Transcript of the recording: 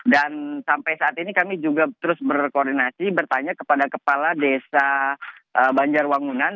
dan sampai saat ini kami juga terus berkoordinasi bertanya kepada kepala desa banjarwangunan